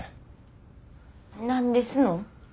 何ですの？